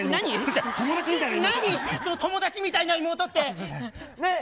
何、友達みたいな妹って。